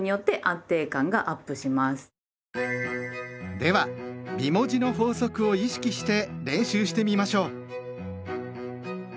では美文字の法則を意識して練習してみましょう！